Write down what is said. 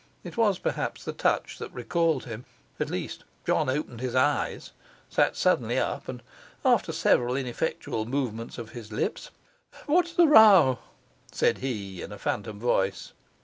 It was perhaps the touch that recalled him; at least John opened his eyes, sat suddenly up, and after several ineffectual movements of his lips, 'What's the row?' said he, in a phantom voice.